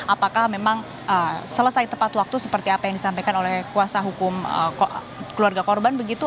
apakah memang selesai tepat waktu seperti apa yang disampaikan oleh kuasa hukum keluarga korban begitu